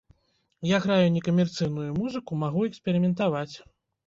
Я граю не камерцыйную музыку, магу эксперыментаваць.